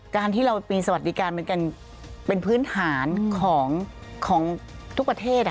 การที่เรามีสวัสดิการเป็นพื้นฐานของทุกประเทศ